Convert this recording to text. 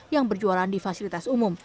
yang berjualan di fasilitas umum